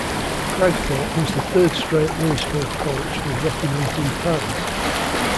Kragthorpe was the third straight Louisville coach with Rocky Mountain ties.